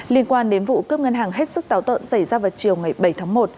liên quan đến vụ cướp ngân hàng hết sức táo tợn xảy ra vào chiều ngày bảy tháng một